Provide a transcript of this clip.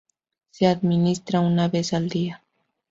Se administra una vez al día.